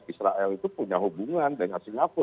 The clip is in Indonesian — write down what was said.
israel itu punya hubungan dengan singapura